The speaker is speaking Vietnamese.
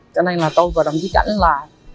cho nên là tôi vào trong cái cảnh là